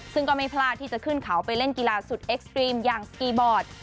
ซึ่งก็ไม่พลาดที่จะขึ้นเขาไปเล่นกีฬาสุดเอ็กซ์ตรีมอย่างสกีบอร์ด